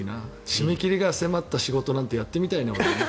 締め切りが迫った仕事やってみたいな、俺も。